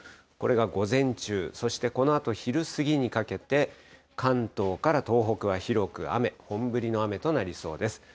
これが午前中、そしてこのあと昼過ぎにかけて、関東から東北は広く雨、本降りの雨となりそうです。